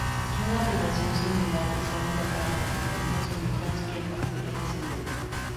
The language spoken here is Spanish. Una relación similar es válida para las diferencias finitas y el factorial ascendente.